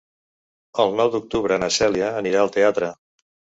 El nou d'octubre na Cèlia anirà al teatre.